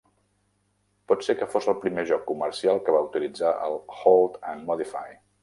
Pot ser que fos el primer joc comercial que va utilitzar el Hold-And-Modify.